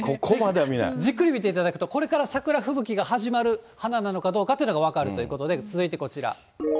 じっくり見ていただくと、これから桜吹雪が始まる花なのかどうかというのが分かるということで、続いてこちら。